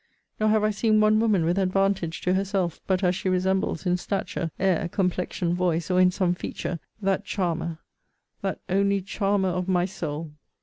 Nor have I seen one woman with advantage to herself, but as she resembles, in stature, air, complexion, voice, or in some feature, that charmer, that only charmer of my soul.